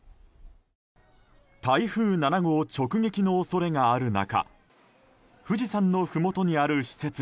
台風７号直撃の恐れがある中